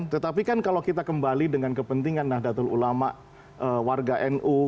tetapi kan kalau kita kembali dengan kepentingan nahdlatul ulama warga nu